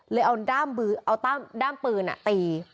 เลยเอาด้ามปืนตี